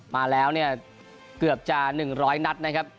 มาแล้วเนี่ยเกือบจะ๑๐๐นัดนะครับ